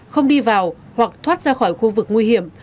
không đi vào hoặc thoát ra khỏi khu vực nguy hiểm